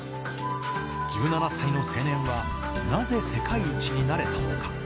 １７歳の青年は、なぜ世界一になれたのか。